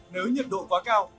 nếu nhiệt độ quá cao